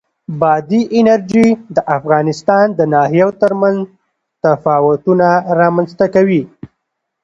بادي انرژي د افغانستان د ناحیو ترمنځ تفاوتونه رامنځ ته کوي.